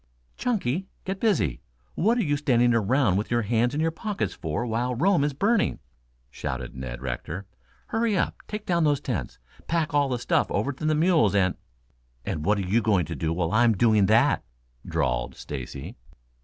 "Chunky, get busy. What are you standing around with your hands in your pockets for while Rome is burning?" shouted Ned Rector. "Hurry up! Take down those tents, pack all the stuff over to the mules and " "And what are you going to do while I'm doing that?" drawled Stacy.